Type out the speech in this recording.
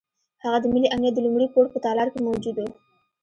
هغه د ملي امنیت د لومړي پوړ په تالار کې موجود وو.